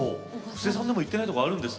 布施さんでも行ってないとこあるんですね。